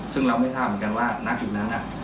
ซึ่งเราไม่ทราบเหมือนกันว่าณจุดนั้น